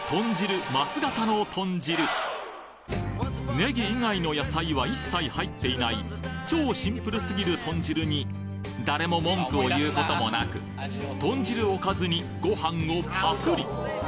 ネギ以外の野菜は一切入っていない超シンプルすぎる豚汁に誰も文句を言うこともなく豚汁をおかずにご飯をパクリ！